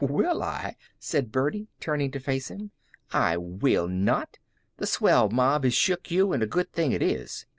"Will I?" said Birdie, turning to face him. "I will not. Th' swell mob has shook you, an' a good thing it is.